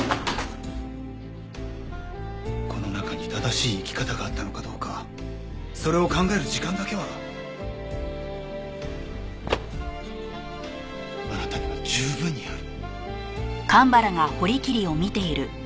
この中に正しい生き方があったのかどうかそれを考える時間だけはあなたには十分にある。